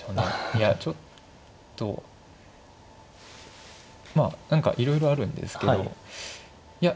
いやちょっとまあ何かいろいろあるんですけどいや